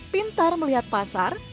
pintar melihat pasar